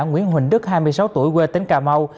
nguyễn huỳnh đức hai mươi sáu tuổi quê tỉnh cà mau